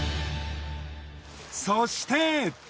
そして。